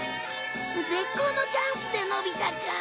絶好のチャンスでのび太か。